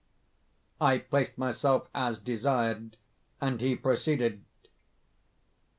I placed myself as desired, and he proceeded.